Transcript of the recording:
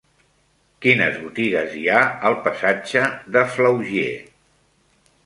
Quines botigues hi ha al passatge de Flaugier?